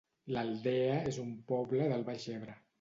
L'Aldea es un poble del Baix Ebre